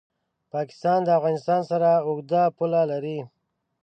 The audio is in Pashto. پاکستان د افغانستان سره اوږده پوله لري.